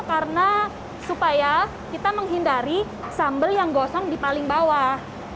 karena supaya kita menghindari sambal yang gosong di paling bawah